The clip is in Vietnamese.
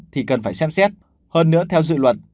thì cần phải xem xét hơn nữa theo dự luật